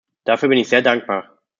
Dafür bin ich sehr dankbar.